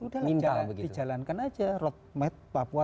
dijalankan saja road map papua